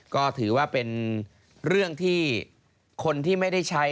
ก็ถือว่าเป็นเรื่องที่คนที่ไม่ได้ใช้